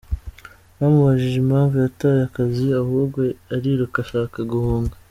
Bamubajije impamvu yataye akazi ahubwo ariruka ashaka guhunga.